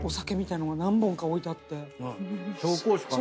紹興酒かな。